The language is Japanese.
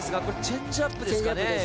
これチェンジアップですかね？